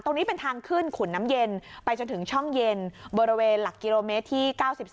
ตรงนี้เป็นทางขึ้นขุนน้ำเย็นไปจนถึงช่องเย็นบริเวณหลักกิโลเมตรที่๙๒